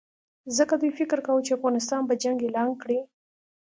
ځکه دوی فکر کاوه چې افغانستان به جنګ اعلان کړي.